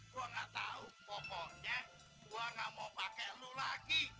gua gak tau pokoknya gua gak mau pake lu lagi